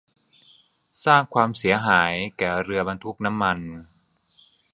สร้างความเสียหายแก่เรือบรรทุกน้ำมัน